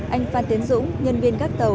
anh phan tiến dũng nhân viên gác tàu